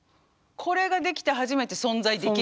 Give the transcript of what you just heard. これができて初めて存在できると。